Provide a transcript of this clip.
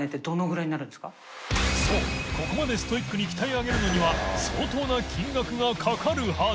ここまでストイックに鍛え上げるのには蠹筿紛盂曚かかるはず